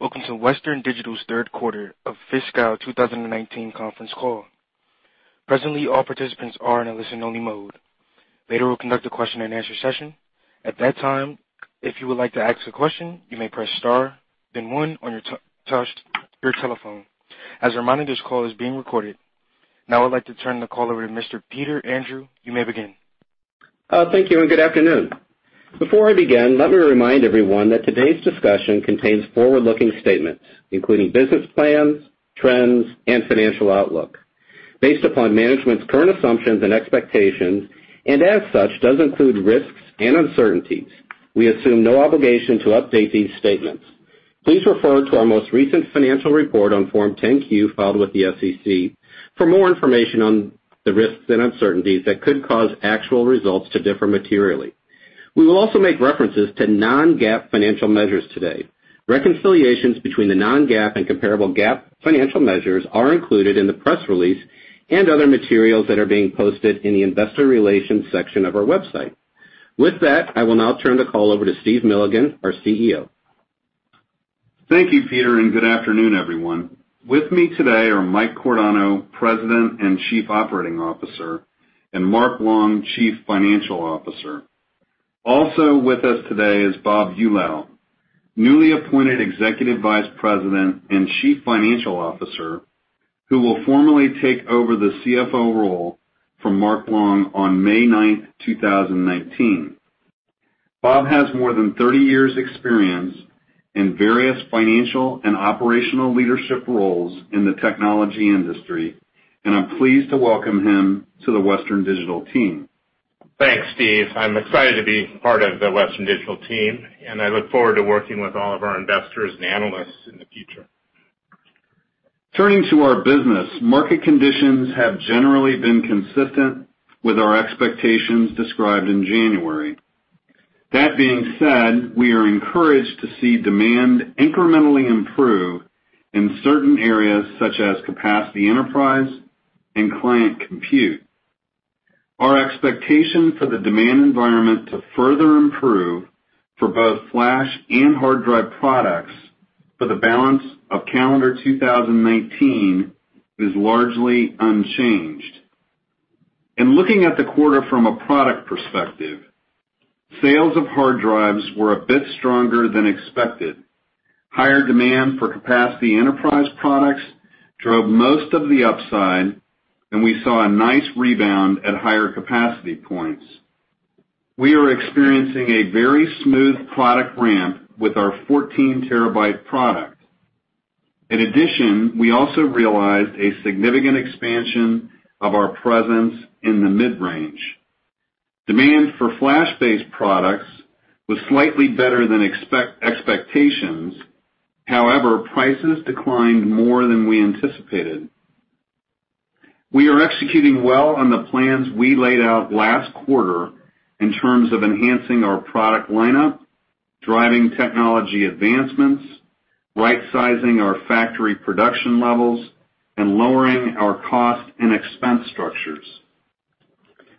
Welcome to Western Digital's third quarter of fiscal 2019 conference call. Presently, all participants are in a listen-only mode. Later, we'll conduct a question and answer session. At that time, if you would like to ask a question, you may press star, then one on your telephone. As a reminder, this call is being recorded. Now I'd like to turn the call over to Mr. Peter Andrew. You may begin. Thank you, and good afternoon. Before I begin, let me remind everyone that today's discussion contains forward-looking statements, including business plans, trends, and financial outlook. Based upon management's current assumptions and expectations, as such, does include risks and uncertainties. We assume no obligation to update these statements. Please refer to our most recent financial report on Form 10-Q filed with the SEC for more information on the risks and uncertainties that could cause actual results to differ materially. We will also make references to non-GAAP financial measures today. Reconciliations between the non-GAAP and comparable GAAP financial measures are included in the press release and other materials that are being posted in the investor relations section of our website. With that, I will now turn the call over to Steve Milligan, our CEO. Thank you, Peter, and good afternoon, everyone. With me today are Mike Cordano, President and Chief Operating Officer, and Mark Long, Chief Financial Officer. Also with us today is Bob Eulau, newly appointed Executive Vice President and Chief Financial Officer, who will formally take over the CFO role from Mark Long on May ninth, 2019. Bob has more than 30 years experience in various financial and operational leadership roles in the technology industry, and I'm pleased to welcome him to the Western Digital team. Thanks, Steve. I'm excited to be part of the Western Digital team, and I look forward to working with all of our investors and analysts in the future. Turning to our business, market conditions have generally been consistent with our expectations described in January. That being said, we are encouraged to see demand incrementally improve in certain areas such as capacity enterprise and client compute. Our expectation for the demand environment to further improve for both flash and hard drive products for the balance of calendar 2019 is largely unchanged. In looking at the quarter from a product perspective, sales of hard drives were a bit stronger than expected. Higher demand for capacity enterprise products drove most of the upside, and we saw a nice rebound at higher capacity points. We are experiencing a very smooth product ramp with our 14 terabyte product. In addition, we also realized a significant expansion of our presence in the mid-range. Demand for flash-based products was slightly better than expectations. However, prices declined more than we anticipated. We are executing well on the plans we laid out last quarter in terms of enhancing our product lineup, driving technology advancements, right-sizing our factory production levels, and lowering our cost and expense structures.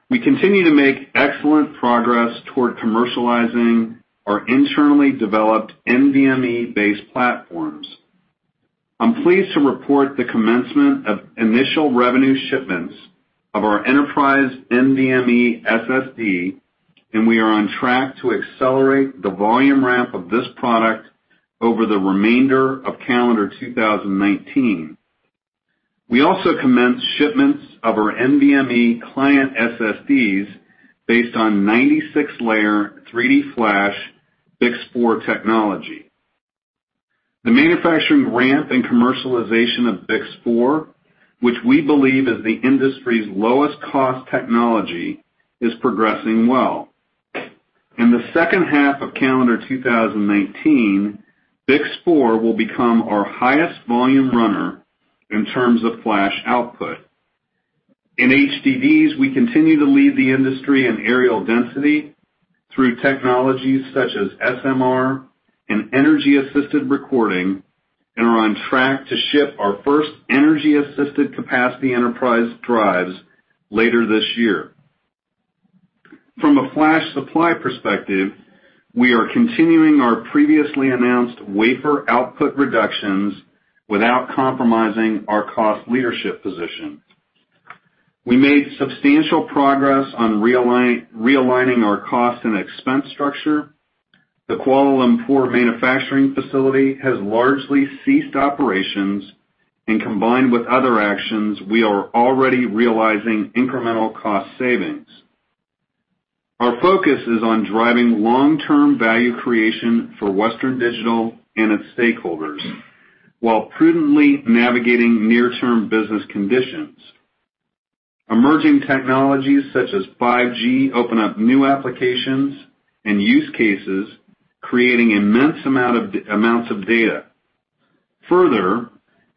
We continue to make excellent progress toward commercializing our internally developed NVMe-based platforms. I'm pleased to report the commencement of initial revenue shipments of our enterprise NVMe SSD, and we are on track to accelerate the volume ramp of this product over the remainder of calendar 2019. We also commenced shipments of our NVMe client SSDs based on 96-layer 3D Flash BiCS4 technology. The manufacturing ramp and commercialization of BiCS4, which we believe is the industry's lowest cost technology, is progressing well. In the second half of calendar 2019, BiCS4 will become our highest volume runner in terms of flash output. In HDDs, we continue to lead the industry in areal density through technologies such as SMR and energy-assisted recording, and are on track to ship our first energy-assisted capacity enterprise drives later this year. From a flash supply perspective, we are continuing our previously announced wafer output reductions without compromising our cost leadership position. We made substantial progress on realigning our cost and expense structure. The Kuala Lumpur manufacturing facility has largely ceased operations, and combined with other actions, we are already realizing incremental cost savings. Our focus is on driving long-term value creation for Western Digital and its stakeholders while prudently navigating near-term business conditions. Emerging technologies such as 5G open up new applications and use cases, creating immense amounts of data.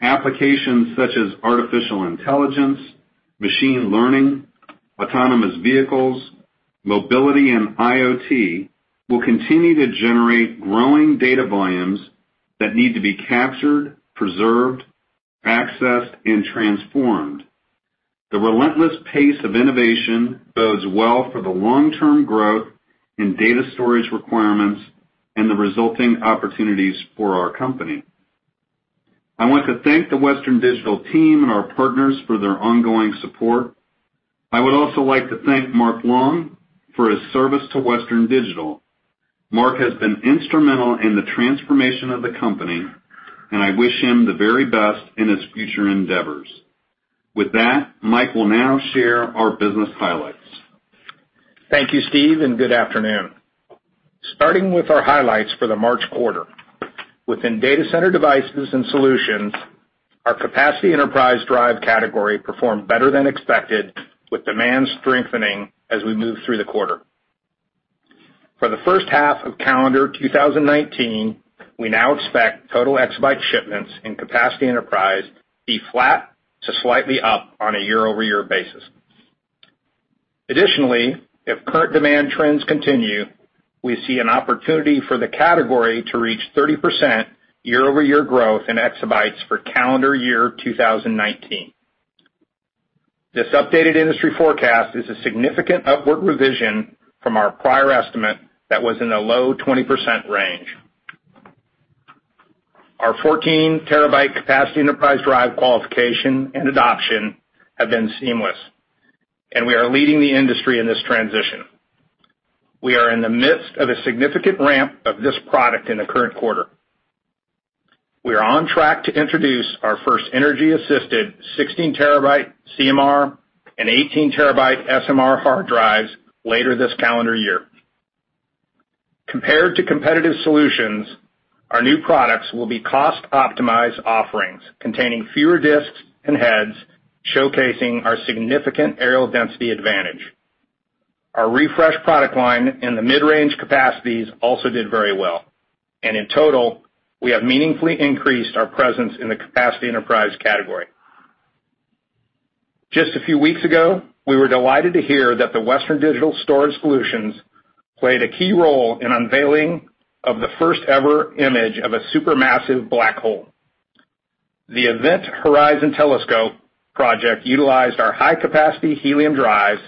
Applications such as artificial intelligence, machine learning, autonomous vehicles, mobility, and IoT will continue to generate growing data volumes that need to be captured, preserved, accessed, and transformed. The relentless pace of innovation bodes well for the long-term growth in data storage requirements and the resulting opportunities for our company. I want to thank the Western Digital team and our partners for their ongoing support. I would also like to thank Mark Long for his service to Western Digital. Mark has been instrumental in the transformation of the company, and I wish him the very best in his future endeavors. With that, Mike will now share our business highlights. Thank you, Steve, and good afternoon. Starting with our highlights for the March quarter. Within Data Center Devices and Solutions, our capacity enterprise drive category performed better than expected, with demand strengthening as we moved through the quarter. For the first half of calendar 2019, we now expect total exabyte shipments and capacity enterprise to be flat to slightly up on a year-over-year basis. Additionally, if current demand trends continue, we see an opportunity for the category to reach 30% year-over-year growth in exabytes for calendar year 2019. This updated industry forecast is a significant upward revision from our prior estimate that was in the low 20% range. Our 14-terabyte capacity enterprise drive qualification and adoption have been seamless. We are leading the industry in this transition. We are in the midst of a significant ramp of this product in the current quarter. We are on track to introduce our first energy-assisted 16-terabyte CMR and 18-terabyte SMR hard drives later this calendar year. Compared to competitive solutions, our new products will be cost-optimized offerings, containing fewer disks and heads, showcasing our significant areal density advantage. Our refresh product line in the mid-range capacities also did very well. In total, we have meaningfully increased our presence in the capacity enterprise category. Just a few weeks ago, we were delighted to hear that the Western Digital storage solutions played a key role in unveiling of the first-ever image of a supermassive black hole. The Event Horizon Telescope project utilized our high-capacity helium drives,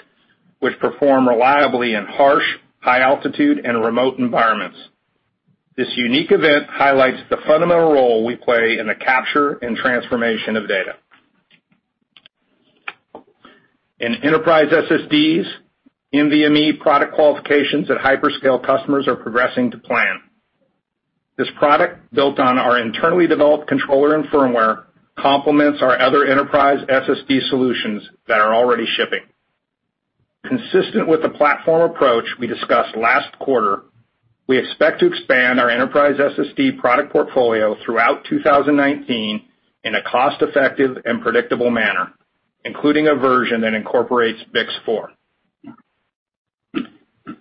which perform reliably in harsh, high-altitude, and remote environments. This unique event highlights the fundamental role we play in the capture and transformation of data. In enterprise SSDs, NVMe product qualifications at hyperscale customers are progressing to plan. This product, built on our internally developed controller and firmware, complements our other enterprise SSD solutions that are already shipping. Consistent with the platform approach we discussed last quarter, we expect to expand our enterprise SSD product portfolio throughout 2019 in a cost-effective and predictable manner, including a version that incorporates BiCS4.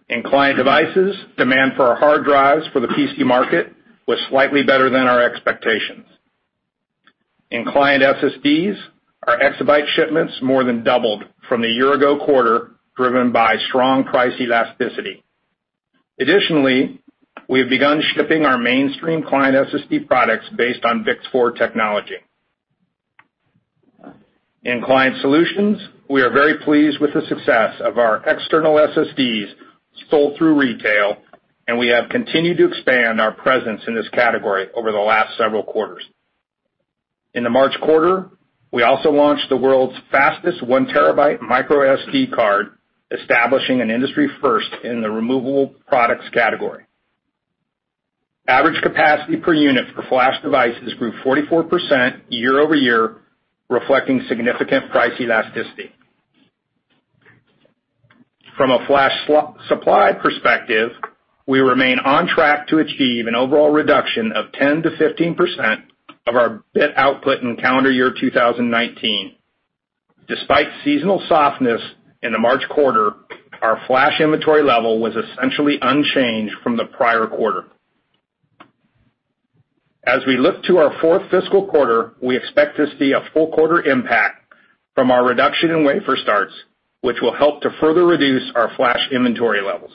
In Client Devices, demand for our hard drives for the PC market was slightly better than our expectations. In client SSDs, our exabyte shipments more than doubled from the year-ago quarter, driven by strong price elasticity. Additionally, we have begun shipping our mainstream client SSD products based on BiCS4 technology. In Client Solutions, we are very pleased with the success of our external SSDs sold through retail. We have continued to expand our presence in this category over the last several quarters. In the March quarter, we also launched the world's fastest 1-terabyte microSD card, establishing an industry first in the removable products category. Average capacity per unit for flash devices grew 44% year-over-year, reflecting significant price elasticity. From a flash supply perspective, we remain on track to achieve an overall reduction of 10%-15% of our bit output in calendar year 2019. Despite seasonal softness in the March quarter, our flash inventory level was essentially unchanged from the prior quarter. As we look to our fourth fiscal quarter, we expect to see a full quarter impact from our reduction in wafer starts, which will help to further reduce our flash inventory levels.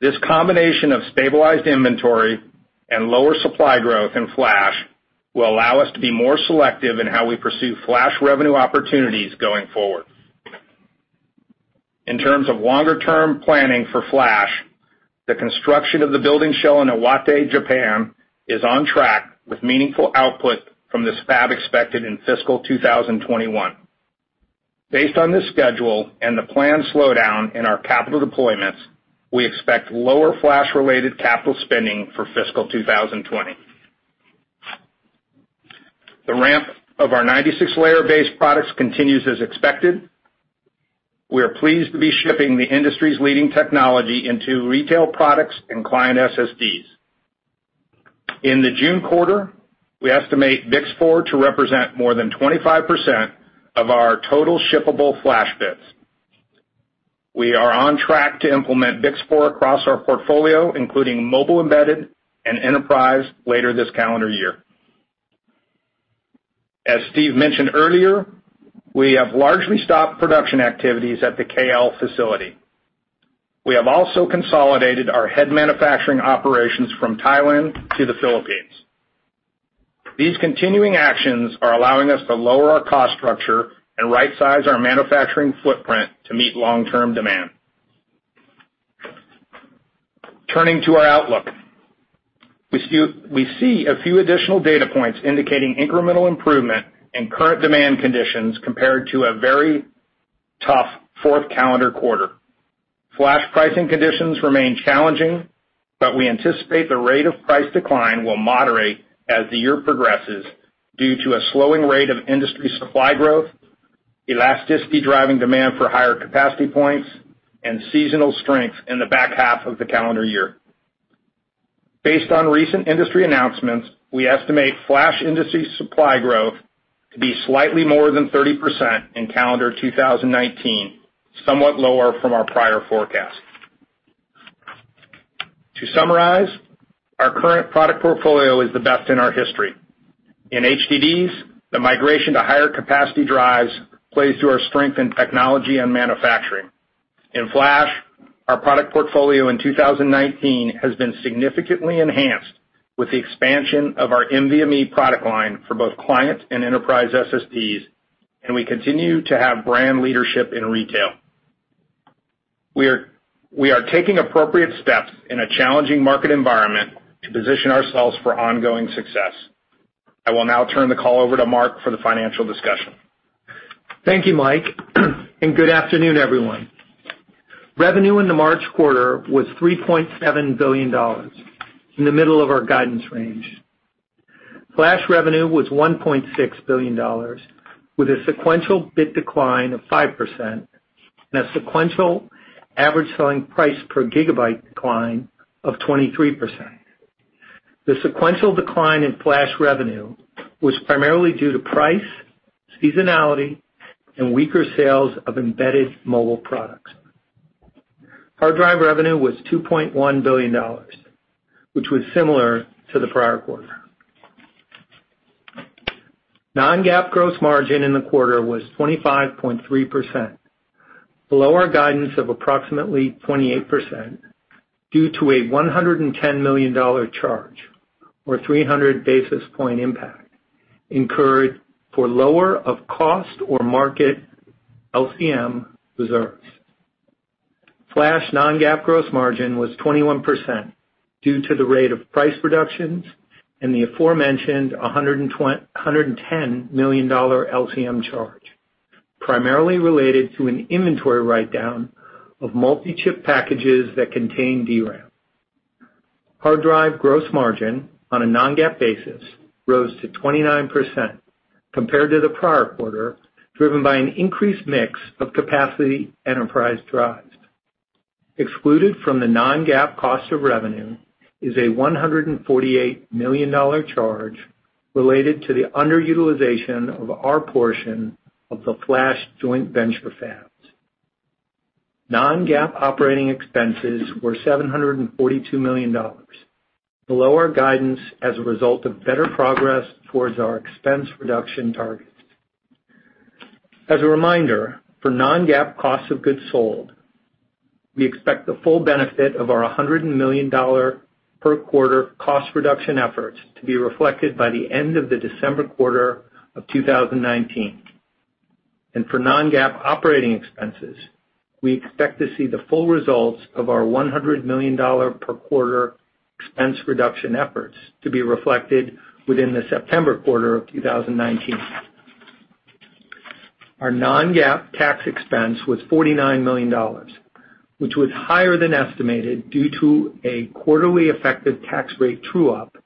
This combination of stabilized inventory and lower supply growth in flash will allow us to be more selective in how we pursue flash revenue opportunities going forward. In terms of longer-term planning for flash, the construction of the building shell in Iwate, Japan is on track with meaningful output from this fab expected in fiscal 2021. Based on this schedule and the planned slowdown in our capital deployments, we expect lower flash-related capital spending for fiscal 2020. The ramp of our 96-layer-based products continues as expected. We are pleased to be shipping the industry's leading technology into retail products and client SSDs. In the June quarter, we estimate BiCS4 to represent more than 25% of our total shippable flash bits. We are on track to implement BiCS4 across our portfolio, including mobile embedded and enterprise later this calendar year. As Steve mentioned earlier, we have largely stopped production activities at the KL facility. We have also consolidated our head manufacturing operations from Thailand to the Philippines. These continuing actions are allowing us to lower our cost structure and rightsize our manufacturing footprint to meet long-term demand. Turning to our outlook. We see a few additional data points indicating incremental improvement in current demand conditions compared to a very tough fourth calendar quarter. Flash pricing conditions remain challenging, but we anticipate the rate of price decline will moderate as the year progresses due to a slowing rate of industry supply growth, elasticity driving demand for higher capacity points, and seasonal strength in the back half of the calendar year. Based on recent industry announcements, we estimate flash industry supply growth to be slightly more than 30% in calendar 2019, somewhat lower from our prior forecast. To summarize, our current product portfolio is the best in our history. In HDDs, the migration to higher capacity drives plays to our strength in technology and manufacturing. In flash, our product portfolio in 2019 has been significantly enhanced with the expansion of our NVMe product line for both client and enterprise SSDs, and we continue to have brand leadership in retail. We are taking appropriate steps in a challenging market environment to position ourselves for ongoing success. I will now turn the call over to Mark for the financial discussion. Thank you, Mike, and good afternoon, everyone. Revenue in the March quarter was $3.7 billion, in the middle of our guidance range. Flash revenue was $1.6 billion, with a sequential bit decline of 5% and a sequential average selling price per gigabyte decline of 23%. The sequential decline in flash revenue was primarily due to price, seasonality, and weaker sales of embedded mobile products. Hard drive revenue was $2.1 billion, which was similar to the prior quarter. Non-GAAP gross margin in the quarter was 25.3%, below our guidance of approximately 28% due to a $110 million charge or a 300-basis-point impact incurred for lower of cost or market LCM reserves. Flash non-GAAP gross margin was 21% due to the rate of price reductions and the aforementioned $110 million LCM charge, primarily related to an inventory write-down of multi-chip packages that contain DRAM. Hard drive gross margin on a non-GAAP basis rose to 29% compared to the prior quarter, driven by an increased mix of capacity enterprise drives. Excluded from the non-GAAP cost of revenue is a $148 million charge related to the underutilization of our portion of the flash joint venture fabs. Non-GAAP operating expenses were $742 million, below our guidance as a result of better progress towards our expense reduction targets. For non-GAAP cost of goods sold, we expect the full benefit of our $100 million per quarter cost-reduction efforts to be reflected by the end of the December quarter of 2019. For non-GAAP operating expenses, we expect to see the full results of our $100 million per quarter expense reduction efforts to be reflected within the September quarter of 2019. Our non-GAAP tax expense was $49 million, which was higher than estimated due to a quarterly effective tax rate true-up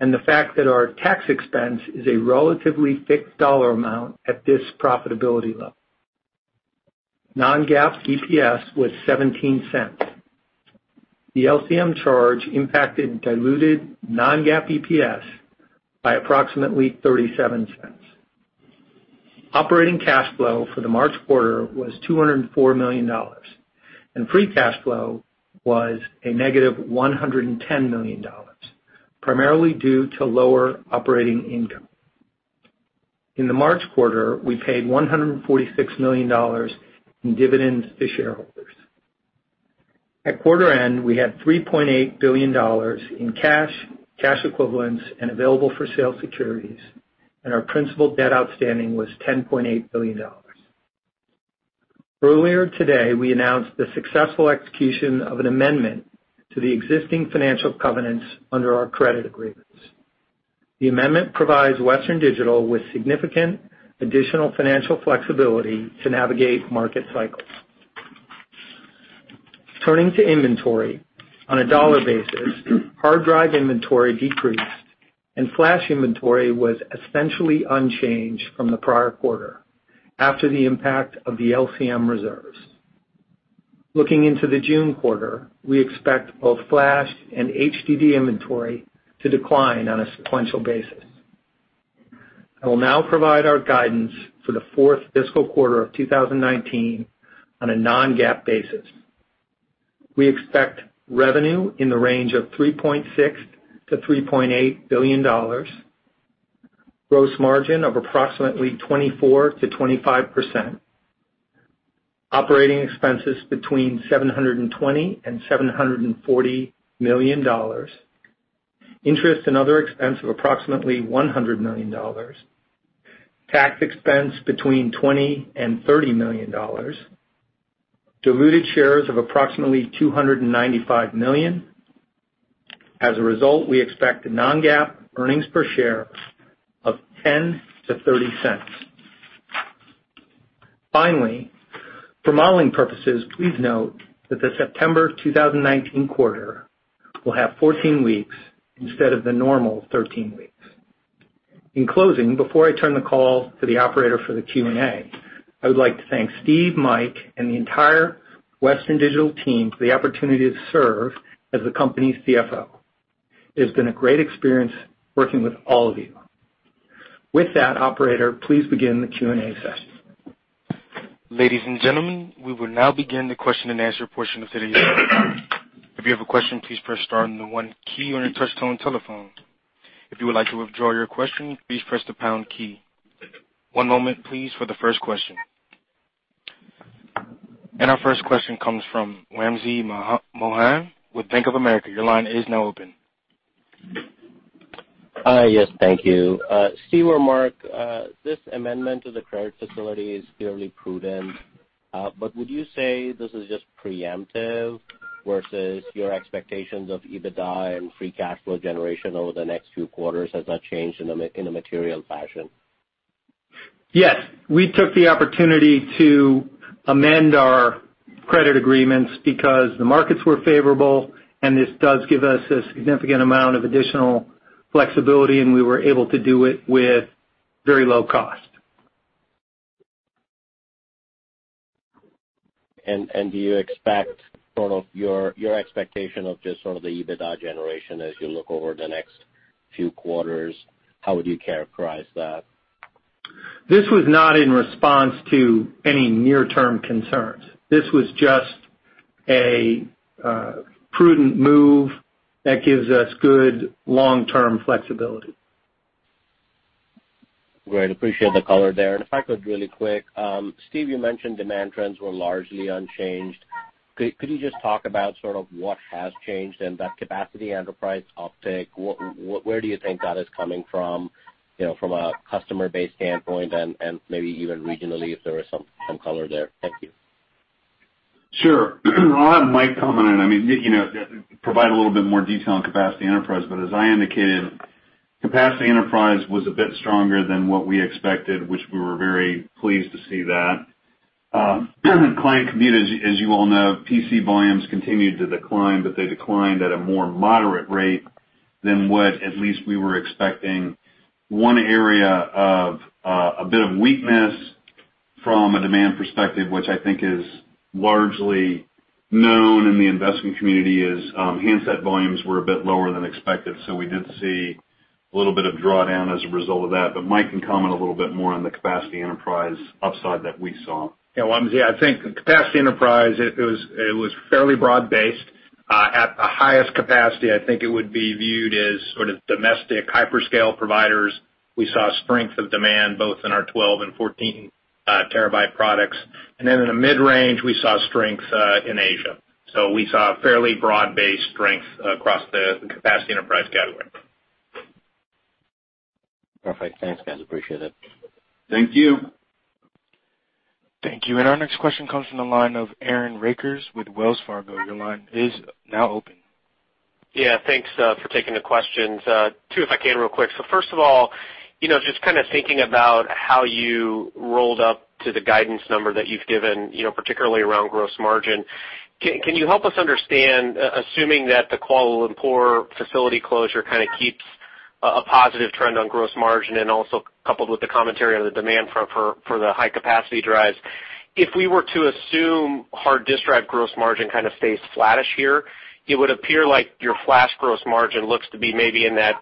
and the fact that our tax expense is a relatively fixed dollar amount at this profitability level. Non-GAAP EPS was $0.17. The LCM charge impacted diluted non-GAAP EPS by approximately $0.37. Operating cash flow for the March quarter was $204 million, and free cash flow was a negative $110 million, primarily due to lower operating income. In the March quarter, we paid $146 million in dividends to shareholders. At quarter end, we had $3.8 billion in cash equivalents, and available-for-sale securities, and our principal debt outstanding was $10.8 billion. Earlier today, we announced the successful execution of an amendment to the existing financial covenants under our credit agreements. The amendment provides Western Digital with significant additional financial flexibility to navigate market cycles. Turning to inventory. On a dollar basis, hard drive inventory decreased, and flash inventory was essentially unchanged from the prior quarter after the impact of the LCM reserves. Looking into the June quarter, we expect both flash and HDD inventory to decline on a sequential basis. I will now provide our guidance for the fourth fiscal quarter of 2019 on a non-GAAP basis. We expect revenue in the range of $3.6 billion-$3.8 billion, gross margin of approximately 24%-25%. Operating expenses between $720 million-$740 million. Interest and other expense of approximately $100 million. Tax expense between $20 million-$30 million. Diluted shares of approximately 295 million. As a result, we expect non-GAAP earnings per share of $0.10-$0.30. Finally, for modeling purposes, please note that the September 2019 quarter will have 14 weeks instead of the normal 13 weeks. In closing, before I turn the call to the operator for the Q&A, I would like to thank Steve, Mike, and the entire Western Digital team for the opportunity to serve as the company's CFO. It has been a great experience working with all of you. With that, operator, please begin the Q&A session. Ladies and gentlemen, we will now begin the question and answer portion of today's call. If you have a question, please press star and the one key on your touchtone telephone. If you would like to withdraw your question, please press the pound key. One moment please for the first question. Our first question comes from Wamsi Mohan with Bank of America. Your line is now open. Hi, yes, thank you. Steve or Mark, this amendment to the credit facility is clearly prudent, would you say this is just preemptive versus your expectations of EBITDA and free cash flow generation over the next few quarters, has that changed in a material fashion? Yes. We took the opportunity to amend our credit agreements because the markets were favorable, this does give us a significant amount of additional flexibility, we were able to do it with very low cost. Do you expect sort of your expectation of just sort of the EBITDA generation as you look over the next few quarters, how would you characterize that? This was not in response to any near-term concerns. This was just a prudent move that gives us good long-term flexibility. Great. Appreciate the color there. If I could really quick, Steve, you mentioned demand trends were largely unchanged. Could you just talk about sort of what has changed in that capacity enterprise uptick? Where do you think that is coming from a customer base standpoint and, maybe even regionally, if there is some color there? Thank you. Sure. I'll have Mike comment on it, I mean, provide a little bit more detail on capacity enterprise. As I indicated, capacity enterprise was a bit stronger than what we expected, which we were very pleased to see that. Client compute, as you all know, PC volumes continued to decline, but they declined at a more moderate rate than what at least we were expecting. One area of a bit of weakness from a demand perspective, which I think is largely known in the investment community, is handset volumes were a bit lower than expected, so we did see a little bit of drawdown as a result of that. Mike can comment a little bit more on the capacity enterprise upside that we saw. Yeah, Wamsi, I think capacity enterprise, it was fairly broad based. At the highest capacity, I think it would be viewed as sort of domestic hyperscale providers. We saw strength of demand both in our 12 and 14 terabyte products. Then in the mid-range, we saw strength in Asia. We saw fairly broad-based strength across the capacity enterprise category. Perfect. Thanks, guys, appreciate it. Thank you. Thank you. Our next question comes from the line of Aaron Rakers with Wells Fargo. Your line is now open. Yeah. Thanks for taking the questions. Two, if I can real quick. First of all, just kind of thinking about how you rolled up to the guidance number that you've given, particularly around gross margin. Can you help us understand, assuming that the Kuala Lumpur facility closure kind of keeps a positive trend on gross margin, and also coupled with the commentary on the demand for the high-capacity drives. If we were to assume hard disk drive gross margin kind of stays flattish here, it would appear like your flash gross margin looks to be maybe in that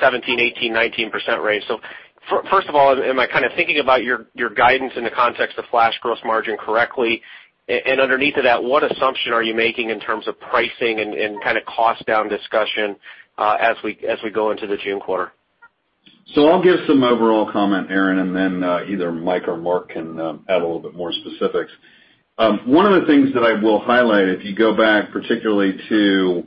17, 18, 19% range. First of all, am I kind of thinking about your guidance in the context of flash gross margin correctly? Underneath of that, what assumption are you making in terms of pricing and kind of cost down discussion, as we go into the June quarter? I'll give some overall comment, Aaron, and then either Mike or Mark can add a little bit more specifics. One of the things that I will highlight, if you go back particularly to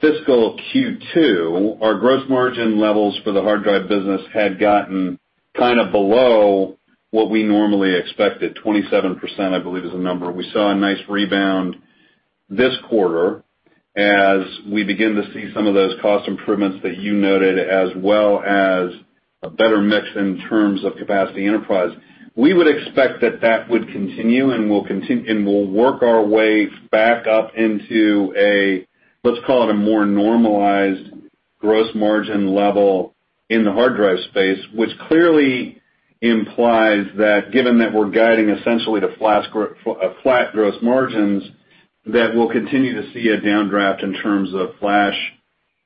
fiscal Q2, our gross margin levels for the hard drive business had gotten kind of below what we normally expected, 27%, I believe is the number. We saw a nice rebound this quarter as we begin to see some of those cost improvements that you noted, as well as a better mix in terms of capacity enterprise. We would expect that that would continue, and we'll work our way back up into a, let's call it, a more normalized gross margin level in the hard drive space. Which clearly implies that given that we're guiding essentially to flat gross margins, that we'll continue to see a downdraft in terms of flash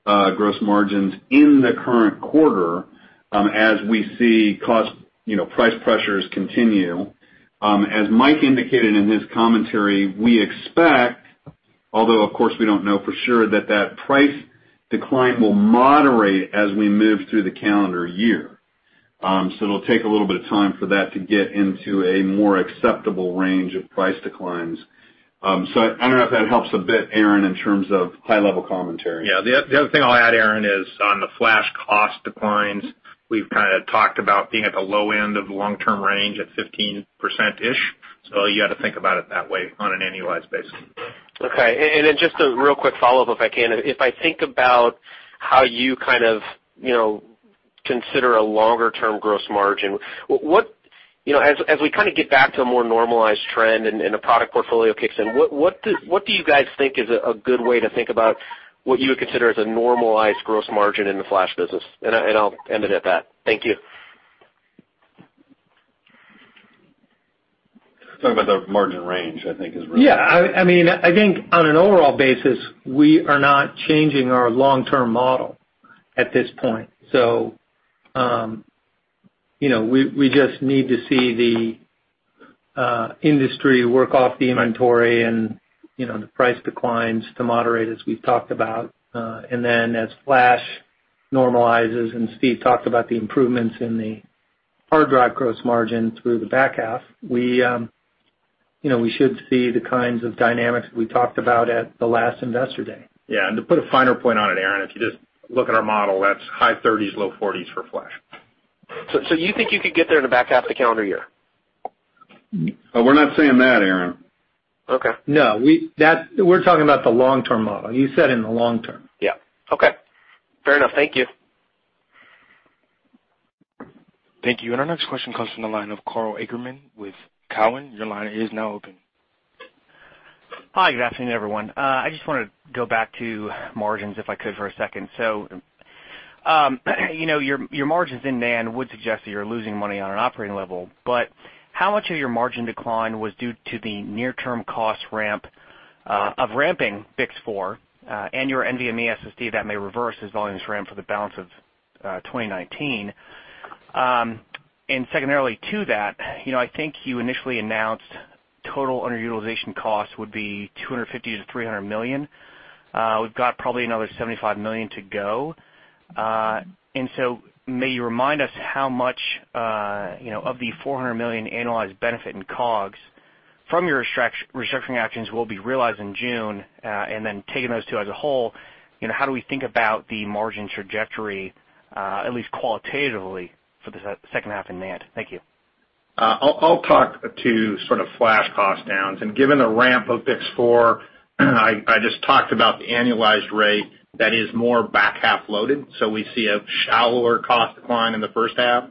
gross margins in the current quarter, as we see price pressures continue. Although of course, we don't know for sure that that price decline will moderate as we move through the calendar year. It'll take a little bit of time for that to get into a more acceptable range of price declines. I don't know if that helps a bit, Aaron, in terms of high-level commentary. Yeah. The other thing I'll add, Aaron, is on the flash cost declines, we've talked about being at the low end of the long-term range at 15%-ish. You got to think about it that way on an annualized basis. Okay. Then just a real quick follow-up, if I can. If I think about how you consider a longer-term gross margin, as we get back to a more normalized trend and a product portfolio kicks in, what do you guys think is a good way to think about what you would consider as a normalized gross margin in the flash business? I'll end it at that. Thank you. Talking about the margin range, I think is. Yeah. I think on an overall basis, we are not changing our long-term model at this point. We just need to see the industry work off the inventory and the price declines to moderate as we've talked about. Then as Flash normalizes, and Steve talked about the improvements in the hard drive gross margin through the back half, we should see the kinds of dynamics we talked about at the last Investor Day. Yeah. To put a finer point on it, Aaron, if you just look at our model, that's high 30s, low 40s for Flash. You think you could get there in the back half of the calendar year? We're not saying that, Aaron. Okay. No, we're talking about the long-term model. You said in the long term. Yeah. Okay. Fair enough. Thank you. Thank you. Our next question comes from the line of Karl Ackerman with Cowen. Your line is now open. Hi, good afternoon, everyone. I just want to go back to margins if I could for a second. Your margins in NAND would suggest that you're losing money on an operating level, but how much of your margin decline was due to the near-term cost of ramping BiCS4, and your NVMe SSD that may reverse as volumes ramp for the balance of 2019? Secondarily to that, I think you initially announced total underutilization costs would be $250 million-$300 million. We've got probably another $75 million to go. May you remind us how much of the $400 million annualized benefit in COGS from your restructuring actions will be realized in June? Taking those two as a whole, how do we think about the margin trajectory, at least qualitatively, for the second half in NAND? Thank you. I'll talk to flash cost downs. Given the ramp of BiCS4, I just talked about the annualized rate that is more back-half loaded. We see a shallower cost decline in the first half,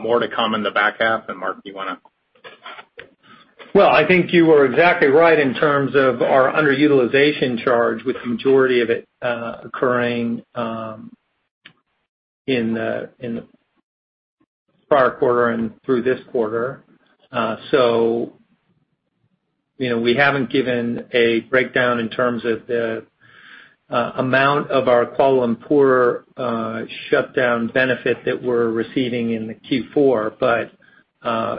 more to come in the back half. Mark, do you want to? I think you are exactly right in terms of our underutilization charge, with the majority of it occurring in the prior quarter and through this quarter. We haven't given a breakdown in terms of the amount of our Kuala Lumpur shutdown benefit that we're receiving in the Q4.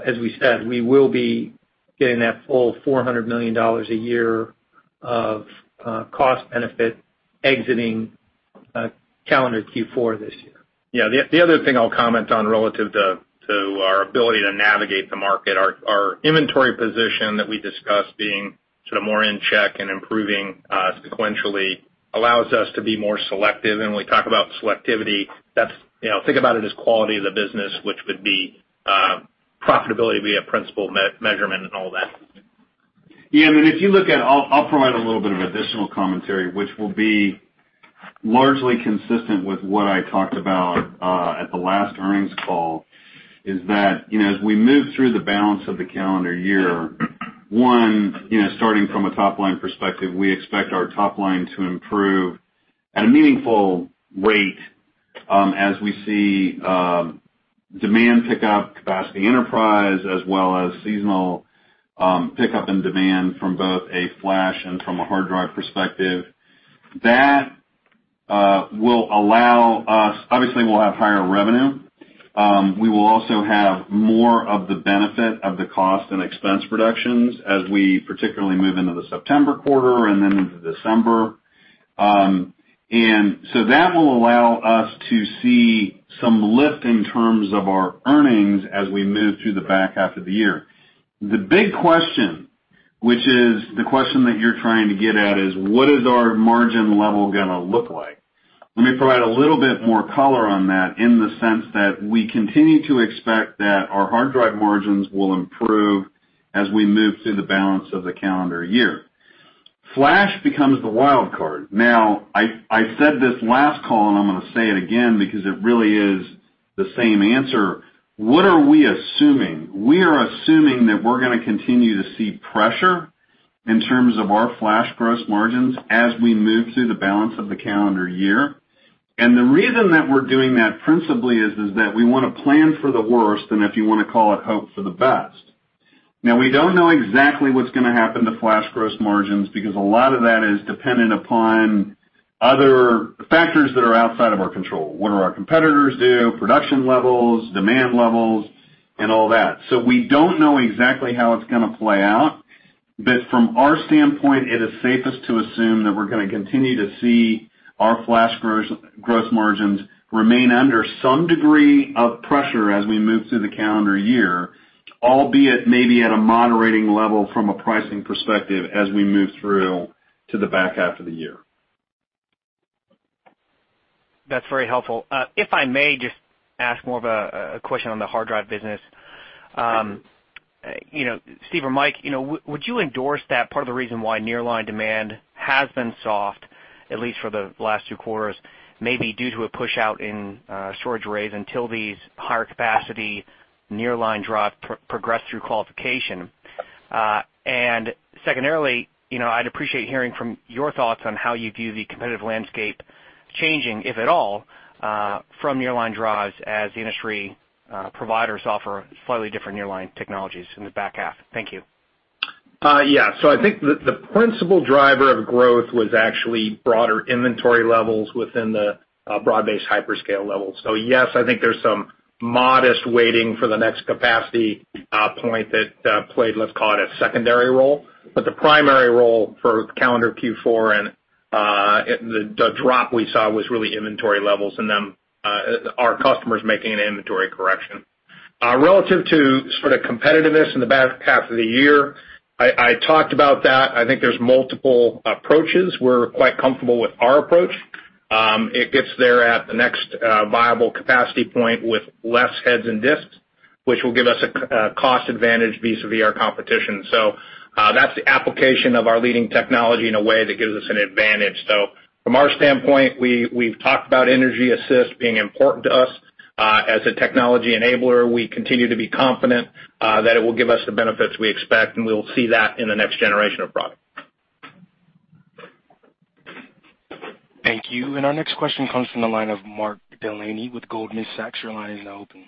As we said, we will be getting that full $400 million a year of cost benefit exiting calendar Q4 this year. Yeah. The other thing I'll comment on relative to our ability to navigate the market, our inventory position that we discussed being more in check and improving sequentially allows us to be more selective. When we talk about selectivity, think about it as quality of the business, which would be profitability via principal measurement and all that. Yeah, I'll provide a little bit of additional commentary, which will be largely consistent with what I talked about at the last earnings call, is that, as we move through the balance of the calendar year, one, starting from a top-line perspective, we expect our top line to improve at a meaningful rate as we see demand pick up capacity enterprise as well as seasonal pickup in demand from both a flash and from a hard drive perspective. That will allow us. Obviously, we'll have higher revenue. We will also have more of the benefit of the cost and expense reductions as we particularly move into the September quarter and then into December. That will allow us to see some lift in terms of our earnings as we move through the back half of the year. The big question, which is the question that you're trying to get at, is what is our margin level going to look like? Let me provide a little bit more color on that in the sense that we continue to expect that our hard drive margins will improve as we move through the balance of the calendar year. Flash becomes the wild card. I said this last call, and I'm going to say it again because it really is the same answer. What are we assuming? We are assuming that we're going to continue to see pressure in terms of our flash gross margins as we move through the balance of the calendar year. The reason that we're doing that principally is that we want to plan for the worst, and if you want to call it hope for the best. We don't know exactly what's going to happen to flash gross margins because a lot of that is dependent upon other factors that are outside of our control, what do our competitors do, production levels, demand levels, and all that. We don't know exactly how it's going to play out, but from our standpoint, it is safest to assume that we're going to continue to see our flash gross margins remain under some degree of pressure as we move through the calendar year, albeit maybe at a moderating level from a pricing perspective as we move through to the back half of the year. That's very helpful. If I may just ask more of a question on the hard drive business. Thank you. Steve or Mike, would you endorse that part of the reason why nearline demand has been soft, at least for the last two quarters, may be due to a push-out in storage arrays until these higher capacity nearline drive progress through qualification? Secondarily, I'd appreciate hearing from your thoughts on how you view the competitive landscape changing, if at all, from nearline drives as the industry providers offer slightly different nearline technologies in the back half. Thank you. Yeah. I think the principal driver of growth was actually broader inventory levels within the broad-based hyperscale level. Yes, I think there's some modest waiting for the next capacity point that played, let's call it, a secondary role. The primary role for calendar Q4 and the drop we saw was really inventory levels and then our customers making an inventory correction. Relative to sort of competitiveness in the back half of the year, I talked about that. I think there's multiple approaches. We're quite comfortable with our approach. It gets there at the next viable capacity point with less heads and disks, which will give us a cost advantage vis-a-vis our competition. That's the application of our leading technology in a way that gives us an advantage. From our standpoint, we've talked about energy-assisted being important to us. As a technology enabler, we continue to be confident that it will give us the benefits we expect, and we will see that in the next generation of product. Thank you. Our next question comes from the line of Mark Delaney with Goldman Sachs. Your line is now open.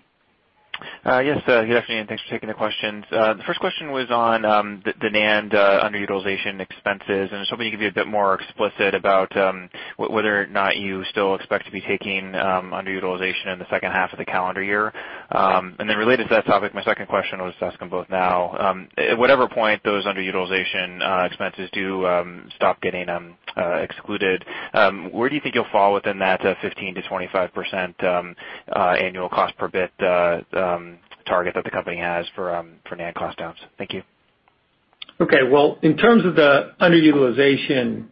Yes, good afternoon. Thanks for taking the questions. The first question was on the NAND underutilization expenses. I was hoping you could be a bit more explicit about whether or not you still expect to be taking underutilization in the second half of the calendar year. Related to that topic, my second question, I will just ask them both now. At whatever point those underutilization expenses do stop getting excluded, where do you think you will fall within that 15%-25% annual cost per bit target that the company has for NAND cost downs? Thank you. Okay. Well, in terms of the underutilization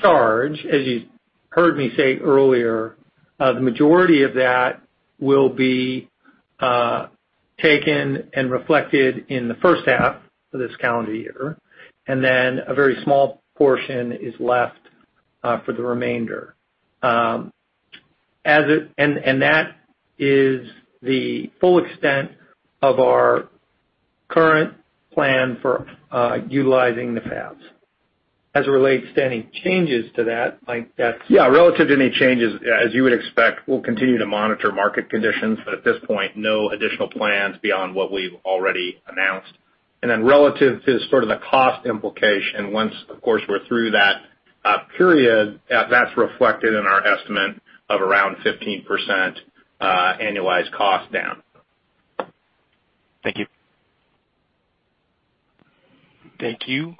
charge, as you heard me say earlier, the majority of that will be taken and reflected in the first half of this calendar year, a very small portion is left for the remainder. That is the full extent of our current plan for utilizing the fabs. As it relates to any changes to that, Mike, that's Yeah, relative to any changes, as you would expect, we will continue to monitor market conditions, at this point, no additional plans beyond what we have already announced. Relative to sort of the cost implication, once, of course, we are through that period, that's reflected in our estimate of around 15% annualized cost down. Thank you. Thank you.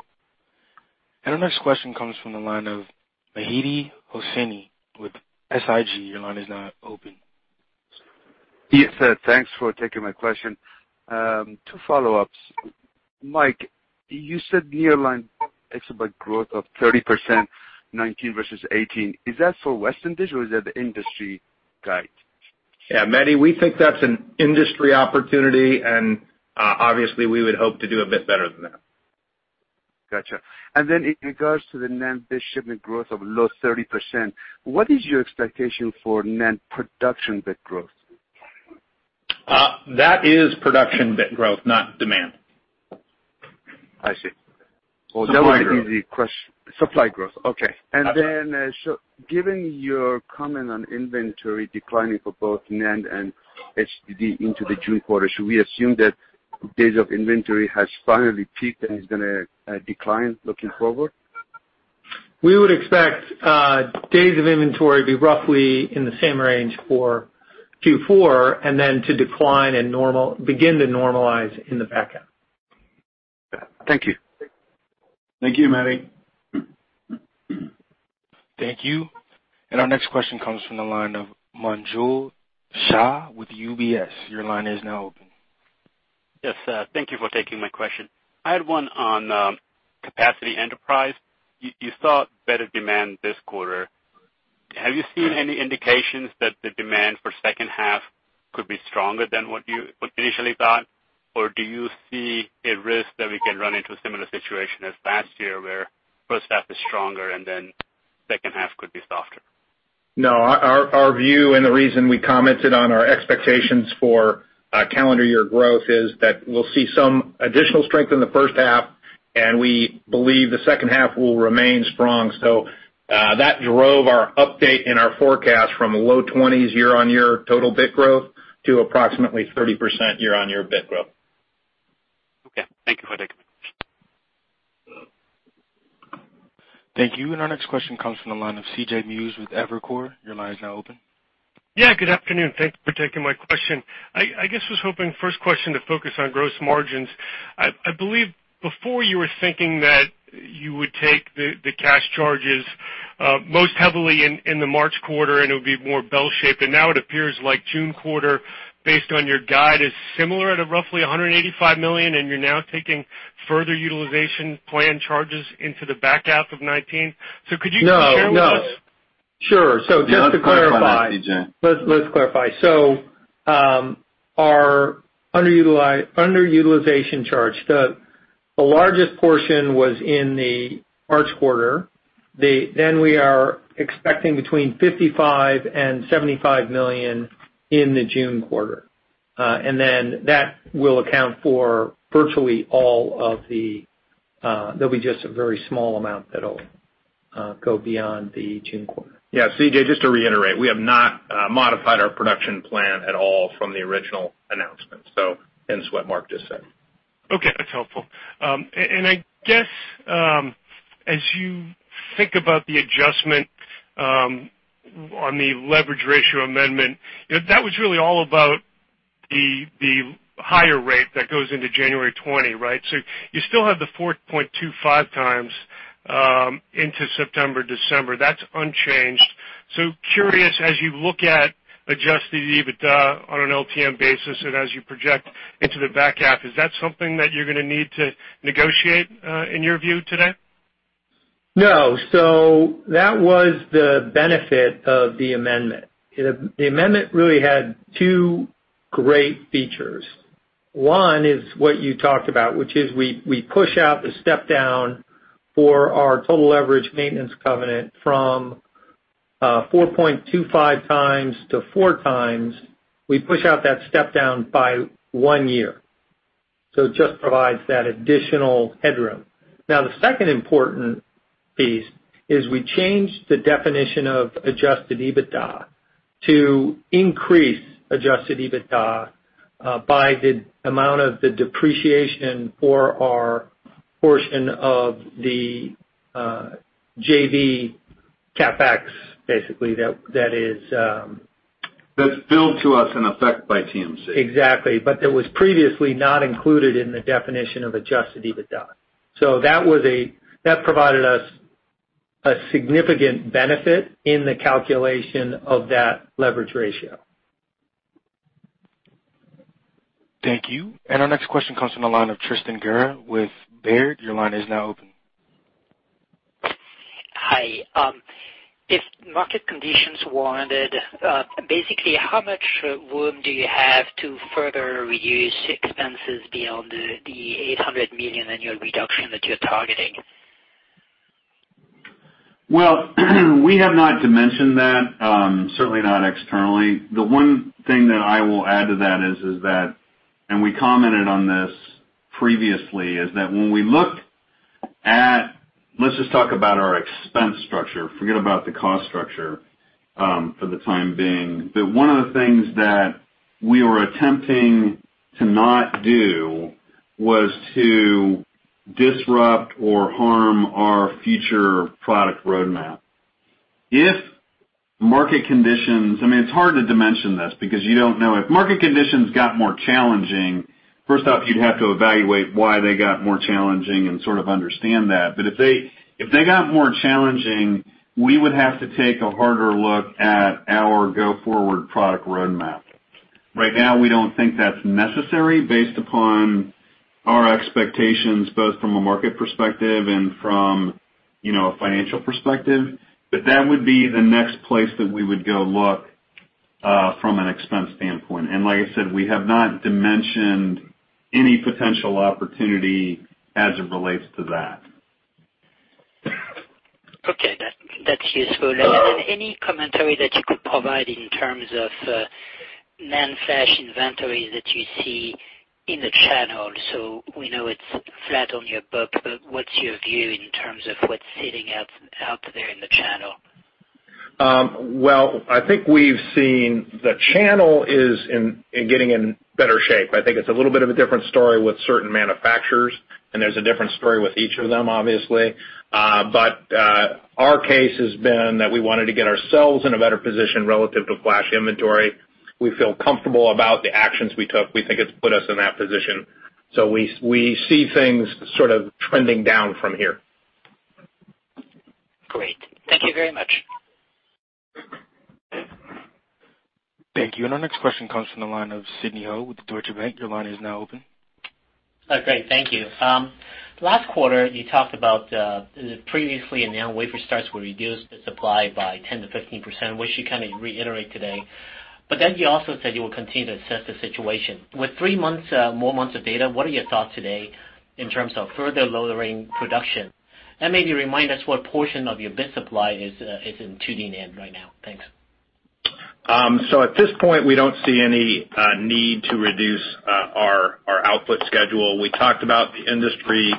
Our next question comes from the line of Mehdi Hosseini with SIG. Your line is now open. Yes, thanks for taking my question. Two follow-ups. Mike, you said nearline exabyte growth of 30% 2019 versus 2018. Is that for Western Digital, or is that the industry guide? Yeah, Mehdi, we think that's an industry opportunity, and obviously we would hope to do a bit better than that. Got you. Then in regards to the NAND bit shipment growth of low 30%, what is your expectation for NAND production bit growth? That is production bit growth, not demand. I see. Supply growth. Supply growth. Okay. Given your comment on inventory declining for both NAND and HDD into the June quarter, should we assume that days of inventory has finally peaked and is going to decline looking forward? We would expect days of inventory to be roughly in the same range for Q4, then to decline and begin to normalize in the back half. Thank you. Thank you, Mehdi. Thank you. Our next question comes from the line of Manjul Shah with UBS. Your line is now open. Yes. Thank you for taking my question. I had one on capacity enterprise. You saw better demand this quarter. Have you seen any indications that the demand for second half could be stronger than what you initially thought, or do you see a risk that we can run into a similar situation as last year where first half is stronger and then second half could be softer? No, our view and the reason we commented on our expectations for calendar year growth is that we'll see some additional strength in the first half, and we believe the second half will remain strong. That drove our update and our forecast from low 20s year-on-year total bit growth to approximately 30% year-on-year bit growth. Thank you. Our next question comes from the line of C.J. Muse with Evercore. Your line is now open. Good afternoon. Thank you for taking my question. I guess I was hoping, first question, to focus on gross margins. I believe before you were thinking that you would take the cash charges most heavily in the March quarter and it would be more bell shaped. Now it appears like June quarter, based on your guide, is similar at roughly $185 million, and you're now taking further utilization plan charges into the back half of 2019. Could you share with us. No. Just to clarify. Let's clarify. Our underutilization charge, the largest portion was in the March quarter. We are expecting between $55 million and $75 million in the June quarter. That will account for virtually all of the, there'll be just a very small amount that'll go beyond the June quarter. C.J., just to reiterate, we have not modified our production plan at all from the original announcement. Hence what Mark just said. Okay, that's helpful. I guess, as you think about the adjustment on the leverage ratio amendment, that was really all about the higher rate that goes into January 2020, right? You still have the 4.25x into September, December. That's unchanged. Curious, as you look at adjusted EBITDA on an LTM basis and as you project into the back half, is that something that you're going to need to negotiate, in your view today? No. That was the benefit of the amendment. The amendment really had two great features. One is what you talked about, which is we push out the step down for our total leverage maintenance covenant from 4.25 times to four times. We push out that step down by one year. It just provides that additional headroom. The second important piece is we changed the definition of adjusted EBITDA to increase adjusted EBITDA by the amount of the depreciation for our portion of the JV CapEx, basically, that is- That's billed to us in effect by TMC. Exactly. That was previously not included in the definition of adjusted EBITDA. That provided us a significant benefit in the calculation of that leverage ratio. Thank you. Our next question comes from the line of Tristan Gerra with Baird. Your line is now open. Hi. If market conditions warranted, basically how much room do you have to further reduce expenses beyond the $800 million annual reduction that you're targeting? Well, we have not dimensioned that, certainly not externally. The one thing that I will add to that is that, and we commented on this previously, is that Let's just talk about our expense structure. Forget about the cost structure for the time being. One of the things that we were attempting to not do was to disrupt or harm our future product roadmap. If market conditions, I mean, it's hard to dimension this because you don't know. If market conditions got more challenging, first off, you'd have to evaluate why they got more challenging and sort of understand that. If they got more challenging, we would have to take a harder look at our go-forward product roadmap. Right now, we don't think that's necessary based upon our expectations, both from a market perspective and from a financial perspective. That would be the next place that we would go look from an expense standpoint. Like I said, we have not dimensioned any potential opportunity as it relates to that. Okay, that's useful. Then any commentary that you could provide in terms of NAND Flash inventories that you see in the channel. We know it's flat on your book, but what's your view in terms of what's sitting out there in the channel? I think we've seen the channel is getting in better shape. I think it's a little bit of a different story with certain manufacturers, there's a different story with each of them, obviously. Our case has been that we wanted to get ourselves in a better position relative to flash inventory. We feel comfortable about the actions we took. We think it's put us in that position. We see things sort of trending down from here. Great. Thank you very much. Thank you. Our next question comes from the line of Sidney Ho with Deutsche Bank. Your line is now open. Great. Thank you. Last quarter, you talked about previously wafer starts will reduce the supply by 10% to 15%, which you kind of reiterate today. You also said you will continue to assess the situation. With three more months of data, what are your thoughts today in terms of further lowering production? Maybe remind us what portion of your bit supply is in 2D NAND right now. Thanks. At this point, we don't see any need to reduce our output schedule. We talked about the industry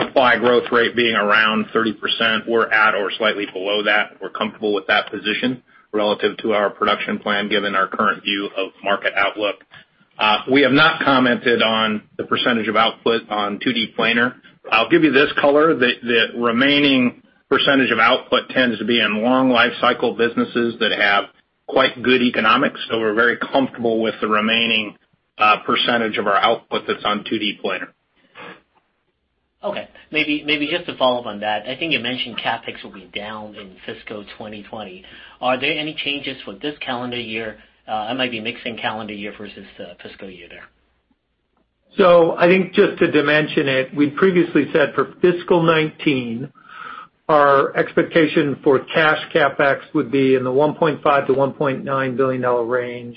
Supply growth rate being around 30%, we're at or slightly below that. We're comfortable with that position relative to our production plan, given our current view of market outlook. We have not commented on the percentage of output on 2D planar. I'll give you this color, the remaining percentage of output tends to be in long life cycle businesses that have quite good economics. We're very comfortable with the remaining percentage of our output that's on 2D planar. Okay. Maybe just to follow up on that, I think you mentioned CapEx will be down in fiscal 2020. Are there any changes for this calendar year? I might be mixing calendar year versus the fiscal year there. I think just to dimension it, we'd previously said for fiscal 2019, our expectation for cash CapEx would be in the $1.5 billion-$1.9 billion range,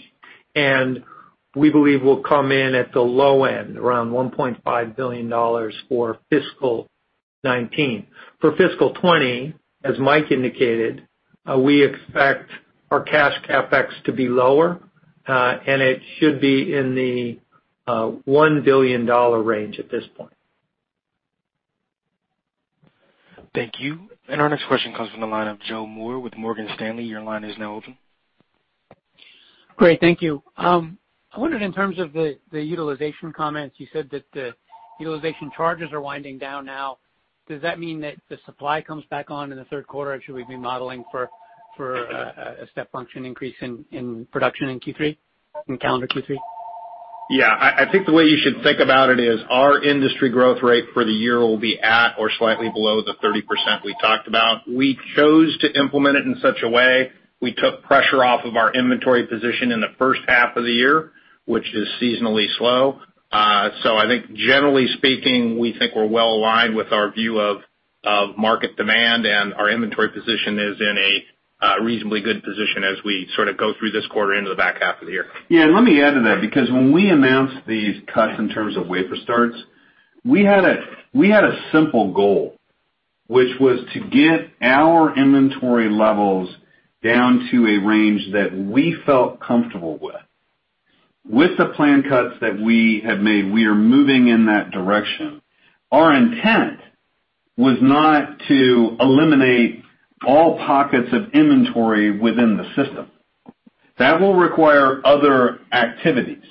and we believe we'll come in at the low end, around $1.5 billion for fiscal 2019. For fiscal 2020, as Mike indicated, we expect our cash CapEx to be lower, and it should be in the $1 billion range at this point. Thank you. Our next question comes from the line of Joseph Moore with Morgan Stanley. Your line is now open. Great. Thank you. I wondered in terms of the utilization comments, you said that the utilization charges are winding down now. Does that mean that the supply comes back on in the third quarter? Should we be modeling for a step function increase in production in Q3, in calendar Q3? Yeah, I think the way you should think about it is our industry growth rate for the year will be at or slightly below the 30% we talked about. We chose to implement it in such a way, we took pressure off of our inventory position in the first half of the year, which is seasonally slow. I think generally speaking, we think we're well-aligned with our view of market demand, and our inventory position is in a reasonably good position as we sort of go through this quarter into the back half of the year. Yeah, let me add to that, because when we announced these cuts in terms of wafer starts, we had a simple goal, which was to get our inventory levels down to a range that we felt comfortable with. With the plan cuts that we have made, we are moving in that direction. Our intent was not to eliminate all pockets of inventory within the system. That will require other activities.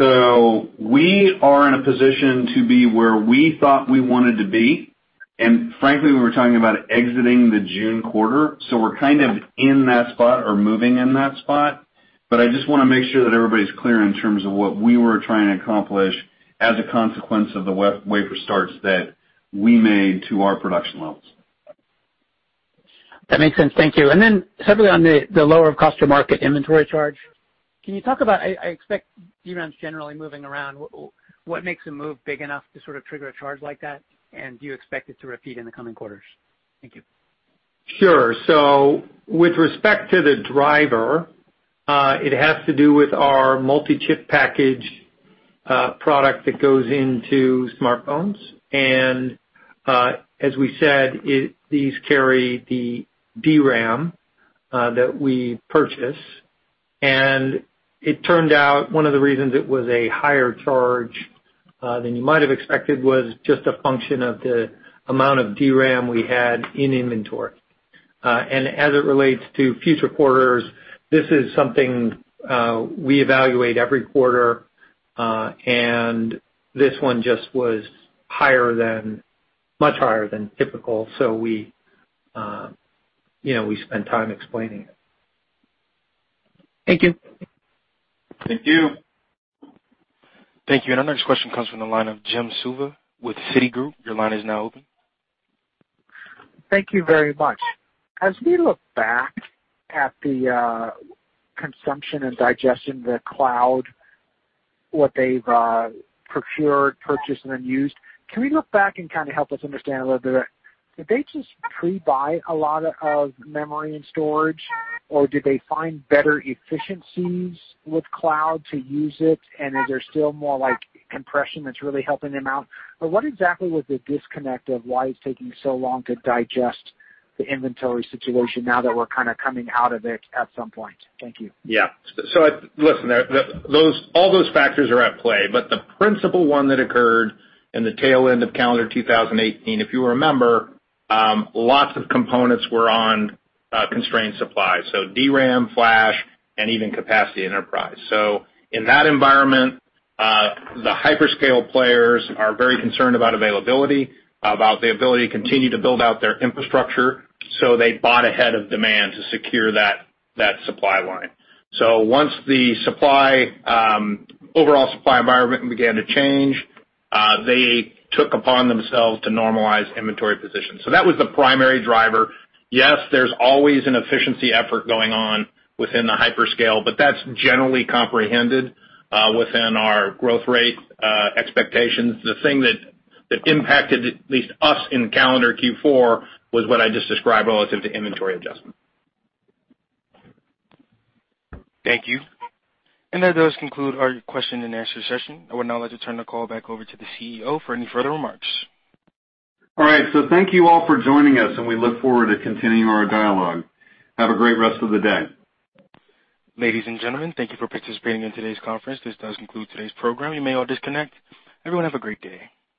We are in a position to be where we thought we wanted to be, and frankly, we were talking about exiting the June quarter. We're kind of in that spot or moving in that spot. I just want to make sure that everybody's clear in terms of what we were trying to accomplish as a consequence of the wafer starts that we made to our production levels. Separately on the lower of cost or market inventory charge. Can you talk about, I expect DRAM is generally moving around, what makes a move big enough to sort of trigger a charge like that? Do you expect it to repeat in the coming quarters? Thank you. Sure. With respect to the driver, it has to do with our multi-chip package product that goes into smartphones. As we said, these carry the DRAM that we purchase. It turned out one of the reasons it was a higher charge than you might have expected was just a function of the amount of DRAM we had in inventory. As it relates to future quarters, this is something we evaluate every quarter, and this one just was much higher than typical. We spent time explaining it. Thank you. Thank you. Thank you. Our next question comes from the line of Jim Suva with Citigroup. Your line is now open. Thank you very much. As we look back at the consumption and digestion of the cloud, what they've procured, purchased and then used, can we look back and kind of help us understand a little bit? Did they just pre-buy a lot of memory and storage, or did they find better efficiencies with cloud to use it? Is there still more like compression that's really helping them out? What exactly was the disconnect of why it's taking so long to digest the inventory situation now that we're kind of coming out of it at some point? Thank you. Yeah. Listen, all those factors are at play, but the principal one that occurred in the tail end of calendar 2018, if you remember, lots of components were on constrained supply, DRAM, flash, and even capacity enterprise. In that environment, the hyperscale players are very concerned about availability, about the ability to continue to build out their infrastructure. They bought ahead of demand to secure that supply line. Once the overall supply environment began to change, they took upon themselves to normalize inventory positions. That was the primary driver. Yes, there's always an efficiency effort going on within the hyperscale, but that's generally comprehended within our growth rate expectations. The thing that impacted at least us in calendar Q4 was what I just described relative to inventory adjustment. Thank you. That does conclude our question and answer session. I would now like to turn the call back over to the CEO for any further remarks. Thank you all for joining us, and we look forward to continuing our dialogue. Have a great rest of the day. Ladies and gentlemen, thank you for participating in today's conference. This does conclude today's program. You may all disconnect. Everyone have a great day.